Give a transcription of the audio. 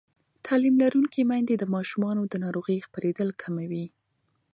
تعلیم لرونکې میندې د ماشومانو د ناروغۍ خپرېدل کموي.